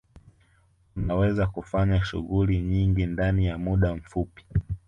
Unaweza kufanya shughuli nyingi ndani ya muda mfupi